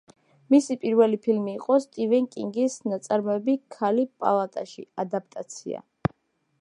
მისი პირველი ფილმი იყო სტივენ კინგის ნაწარმოების „ქალი პალატაში“ ადაპტაცია.